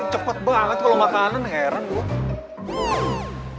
cepet banget kalau makanan heran gue